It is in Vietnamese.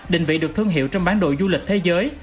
định vị được thương hiệu trong bán đồ du lịch thế giới